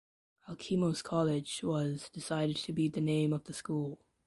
Alkimos College was decided to be the name of the school.